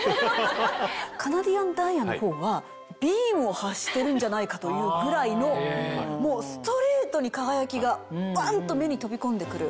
カナディアンダイヤのほうはビームを発してるんじゃないかというぐらいのもうストレートに輝きがバン！っと目に飛び込んで来る。